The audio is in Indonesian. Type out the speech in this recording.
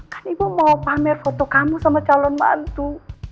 kan ibu mau pamer foto kamu sama calon mantu